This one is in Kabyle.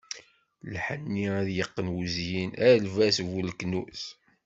Lḥenni ad t-yeqqen wuzyin, a lbaz bu leknuz.